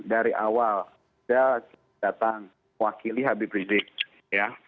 dari awal saya datang wakili habib rizik ya